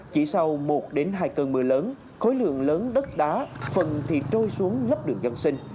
chỉ sau một hai cơn mưa lớn khối lượng lớn đất đá phần thì trôi xuống lấp đường dân sinh